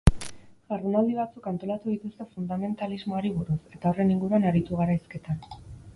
Jardunaldi batzuk antolatu dituzte fundamentalismoari buruz, eta horren inguruan aritu gara hizketan.